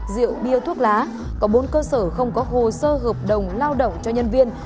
rượu bia thuốc lá có bốn cơ sở không có hồ sơ hợp đồng lao động cho nhân viên